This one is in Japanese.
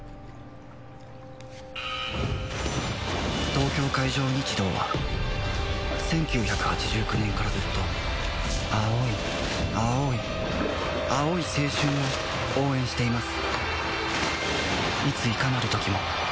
東京海上日動は１９８９年からずっと青い青い青い青春を応援しています